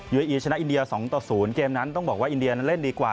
อีชนะอินเดีย๒ต่อ๐เกมนั้นต้องบอกว่าอินเดียนั้นเล่นดีกว่า